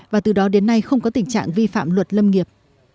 và từ đó đến nay không có tình trạng vi phạm luật lâm nghiệp